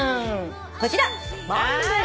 こちら！